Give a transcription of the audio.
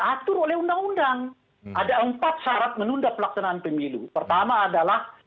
artinya seluruh tahapan pelaksanaan bila ditunda